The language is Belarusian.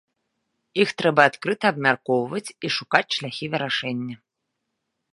Іх трэба адкрыта абмяркоўваць і шукаць шляхі вырашэння.